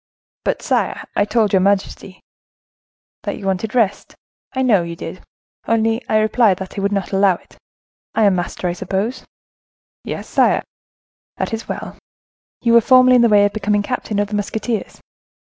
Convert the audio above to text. "But, sire, I told your majesty—" "That you wanted rest, I know you did: only I replied that I would not allow it—I am master, I suppose?" "Yes, sire." "That is well. You were formerly in the way of becoming captain of the musketeers?"